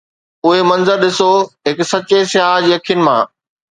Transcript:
اهي منظر ڏسو هڪ سچي سياح جي اکين مان